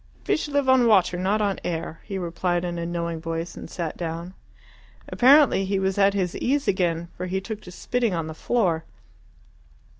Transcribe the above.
"Fish live on water, not on air," he replied in a knowing voice, and sat down. Apparently he was at his ease again, for he took to spitting on the floor.